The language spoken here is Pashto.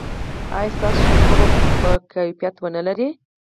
ایا ستاسو شامپو به کیفیت و نه لري؟